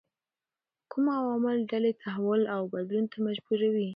کوم عوامل ډلې تحول او بدلون ته مجبوروي؟